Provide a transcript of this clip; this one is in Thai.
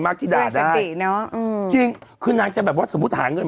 ที่ได้สติเนอะอืมจริงคือนางจะแบบว่าสมมุติหาเงิน